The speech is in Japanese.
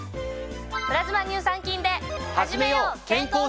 プラズマ乳酸菌で。